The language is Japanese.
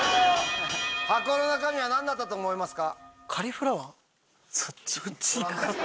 箱の中身は何だったと思いますか？